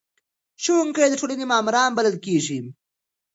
ښوونکي د ټولنې معماران بلل کیږي.